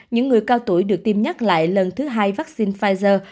những người cao tuổi được tiêm nhắc lại lần thứ hai vaccine pfizer